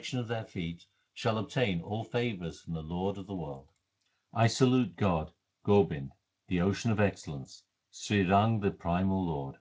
412 THE SIKH RELIGION of their feet, shall obtain all favours from the Lord of the world. I salute God, Gobind, the Ocean of excellence, Srirang 1 the Primal Lord.